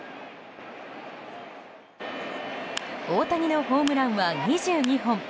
大谷のホームランは２２本。